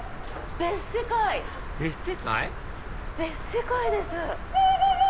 別世界です。